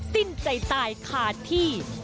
ติ้นใจใจขาดที่